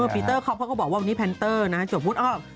ปีเตอร์คอปเขาก็บอกว่าวันนี้แพนเตอร์นะจบวุฒิอ้อม